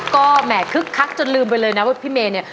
ก็แหม่คึกคักจนลืมไปเลยนะว่าพี่เมย์เนี่ย